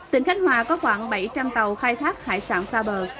tỉnh khánh hòa có khoảng bảy trăm linh tàu khai thác hải sản xa bờ